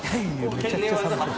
めちゃくちゃ寒そう。